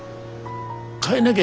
変えなぎゃ